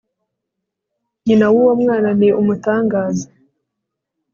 Nyina wuwo mwana ni umutangaza